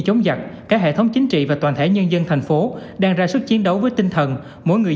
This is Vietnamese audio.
các hệ thống chính trị và toàn thể nhân dân thành phố đang ra sức chiến đấu với tinh thần mỗi người